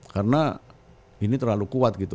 karena ini terlalu kuat gitu